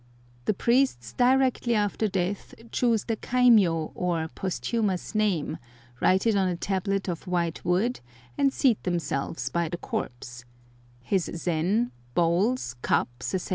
The priests directly after death choose the kaimiyô, or posthumous name, write it on a tablet of white wood, and seat themselves by the corpse; his zen, bowls, cups, etc.